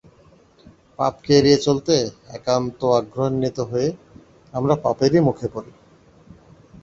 পাপকে এড়িয়ে চলতে একান্ত আগ্রহান্বিত হয়ে আমরা পাপেরই মুখে পড়ি।